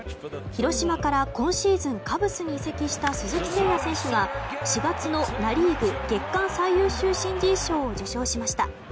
広島から、今シーズンカブスに移籍した鈴木誠也選手が４月のナ・リーグ月間最優秀新人賞を受賞しました。